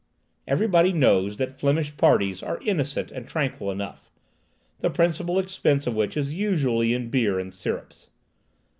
Everybody knows that Flemish parties are innocent and tranquil enough, the principal expense of which is usually in beer and syrups.